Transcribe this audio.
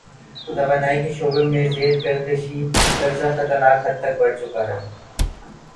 توانائی کے شعبے میں زیر گردشی قرضہ خطرناک حد تک بڑھ چکا ہے۔